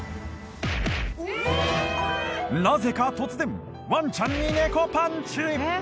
なぜか突然ワンちゃんにネコパンチ！